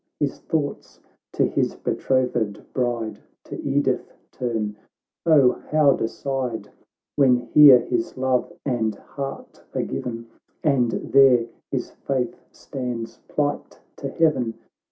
His thoughts to his betrothed bride, To Edith, turn— O how decide, When here his love and heart are given, And there his faith stands plight to Heaven